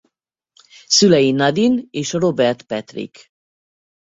Szülei Nadine és Robert Patrick.